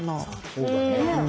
そうだね。